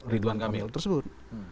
ridwan kamil tersebut